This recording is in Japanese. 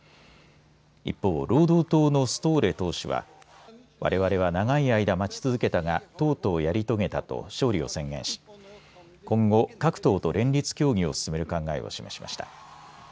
一方、労働党のストーレ党首はわれわれは長い間待ち続けたがとうとうやり遂げたと勝利を宣言し、今後、各党と連立協議を進める考えを示しました。